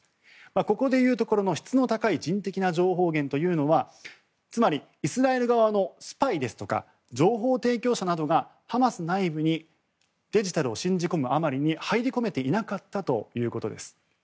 ここでいうところの質の高い人的な情報源というのはつまり、イスラエル側のスパイですとか情報提供者などがハマス内部にデジタルを信じ込むあまりに入り込めていなかったということです。